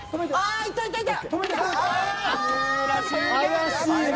怪しいな。